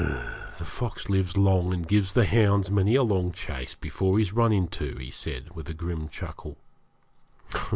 'The fox lives long, and gives the hounds many a long chase before he's run into,' he said, with a grim chuckle.